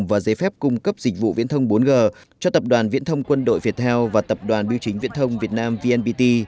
và giấy phép cung cấp dịch vụ viễn thông bốn g cho tập đoàn viễn thông quân đội viettel và tập đoàn biểu chính viễn thông việt nam vnpt